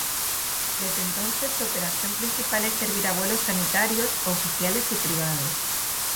Desde entonces su operación principal es servir a vuelos sanitarios, oficiales y privados.